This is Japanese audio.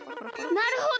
なるほど。